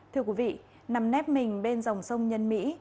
thưa quý vị nằm nếp mình bên dòng sông nhân mỹ